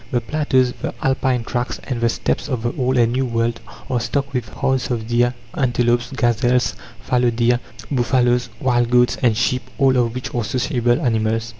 The plateaus, the Alpine tracts, and the Steppes of the Old and New World are stocked with herds of deer, antelopes, gazelles, fallow deer, buffaloes, wild goats and sheep, all of which are sociable animals.